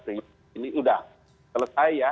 ini sudah selesai ya